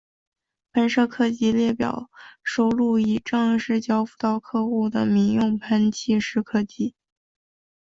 喷射客机列表收录已正式交付到客户的民用喷气式客机。